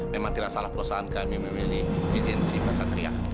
memang tidak salah perusahaan kami memilih agensi pak satria